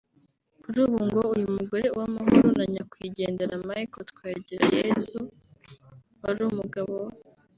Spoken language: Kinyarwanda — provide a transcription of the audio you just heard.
Kuri ubu ngo uyu mugore Uwamahoro na nyakwigendera Michel Twagirayezu wari umugabo we